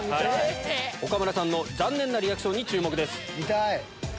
岡村さんの残念なリアクションに注目です。